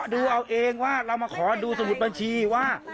ดูเอาเองว่าเรามาขอดูสมุดบัญชีว่า